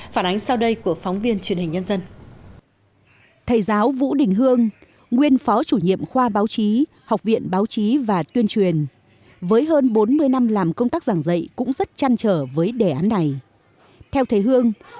phản ánh sau đây của phóng viên truyền hình nhân dân